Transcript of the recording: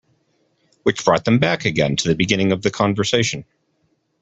Which brought them back again to the beginning of the conversation.